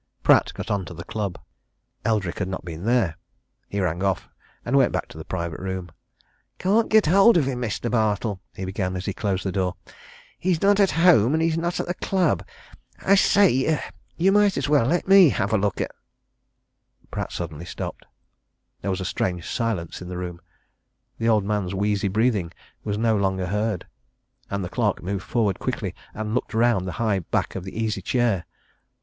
Pratt got on to the club: Eldrick had not been there. He rang off, and went back to the private room. "Can't get hold of him, Mr. Bartle," he began, as he closed the door. "He's not at home, and he's not at the club. I say! you might as well let me have a look at " Pratt suddenly stopped. There was a strange silence in the room: the old man's wheezy breathing was no longer heard. And the clerk moved forward quickly and looked round the high back of the easy chair....